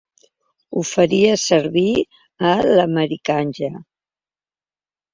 Ho faries servir a l'americanja.